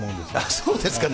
そうですかね。